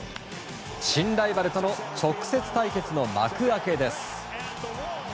新ライバルとの直接対決の幕開けです。